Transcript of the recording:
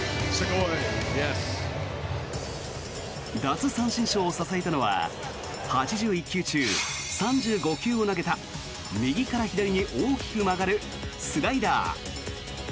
奪三振ショーを支えたのは８１球中３５球を投げた右から左に大きく曲がるスライダー。